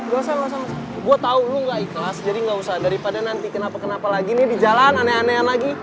gak usah gak usah gue tau lo gak ikhlas jadi gak usah daripada nanti kenapa kenapa lagi nih di jalan aneh anehan lagi